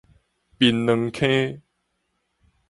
檳榔坑